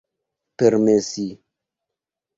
permesi